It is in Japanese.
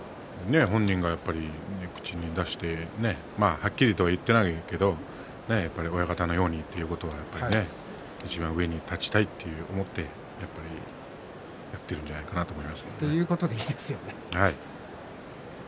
本人が口に出してはっきりと言っていないけど親方のようにということはやっぱりね、いちばん上に立ちたいと思ってやっているんじゃないかなとということではい。